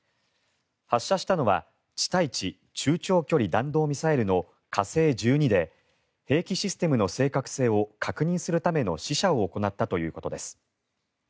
発射したのは地対地中長距離弾道ミサイルの火星１２で兵器システムの正確性を確認するための試射を行ったということです。